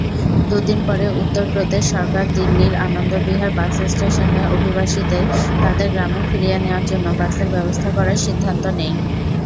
দু'দিন পরে উত্তরপ্রদেশ সরকার দিল্লির আনন্দ বিহার বাস স্টেশনে অভিবাসীদের তাদের গ্রামে ফিরিয়ে নেওয়ার জন্য বাসের ব্যবস্থা করার সিদ্ধান্ত নেয়।